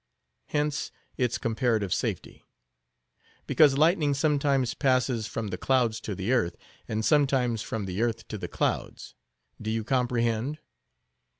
Hence its comparative safety. Because lightning sometimes passes from the clouds to the earth, and sometimes from the earth to the clouds. Do you comprehend?